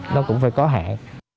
nó cũng phải có hạn